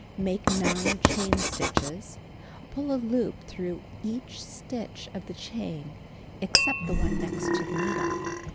Make 9 chain stitches. Pull a loop through each stitch of the chain except the one next the needle.